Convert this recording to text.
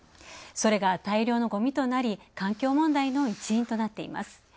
それが、大量のごみとなり環境問題の一因となっています。